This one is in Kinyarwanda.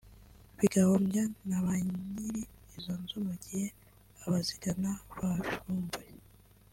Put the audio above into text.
bigahombya na banyiri izo nzu mu gihe abazigana babivumbuye